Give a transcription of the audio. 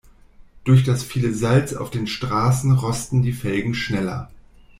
Durch das viele Salz auf den Straßen rosten die Felgen schneller.